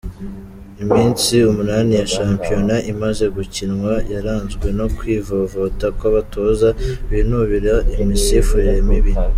Iminsi umunani ya shampiyona imaze gukinwa yaranzwe no kwivovota kw’abatoza binubira imisifurire mibi.